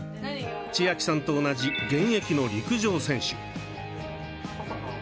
千明さんと同じ現役の陸上選手。